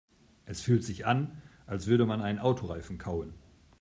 Es fühlt sich an, als würde man einen Autoreifen kauen.